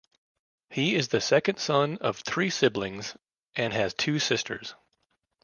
He is the second son of three siblings and has two sisters.